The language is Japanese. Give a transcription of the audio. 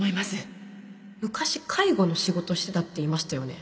「昔介護の仕事してた」って言いましたよね